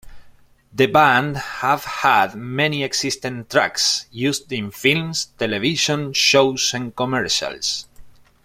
The band have had many existing tracks used in films, television shows and commercials.